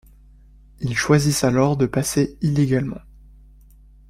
Ils choisissent alors de passer illégalement.